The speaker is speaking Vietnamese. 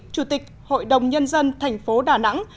chủ tịch hội đồng nhân dân thành phố đà nẵng